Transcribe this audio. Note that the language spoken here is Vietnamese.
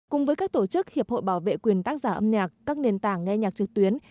cùng với các tổ chức hiệp hội bảo vệ quyền tác giả âm nhạc các nền tảng nghe nhạc trực tuyến